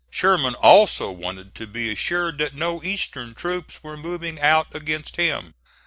Sherman also wanted to be assured that no Eastern troops were moving out against him.